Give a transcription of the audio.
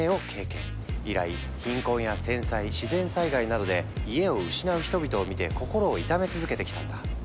以来貧困や戦災自然災害などで家を失う人々を見て心を痛め続けてきたんだ。